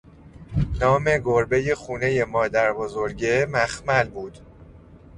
نام گربهٔ خونهٔ مادربزرگه، مخمل بود